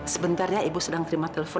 sebentar ya ibu sedang terima telepon